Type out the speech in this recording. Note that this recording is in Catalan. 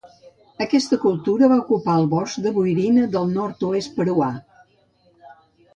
Aquesta cultura va ocupar el bosc de boirina del nord-oest peruà.